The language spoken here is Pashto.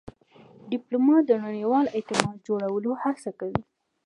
ډيپلومات د نړیوال اعتماد جوړولو هڅه کوي.